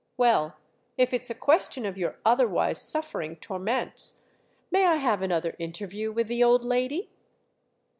"Well, if it's a question of your otherwise suffering torments, may I have another interview with the old lady?"